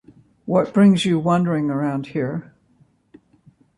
What brings you wandering around here?